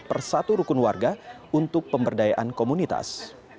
per satu rukun warga untuk pemberdayaan komunitas